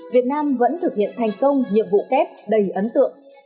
việt nam vẫn thực hiện thành công nhiệm vụ kép đầy ấn tượng